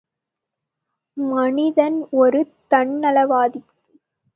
மனிதன் ஒரு தன்நலவாதி!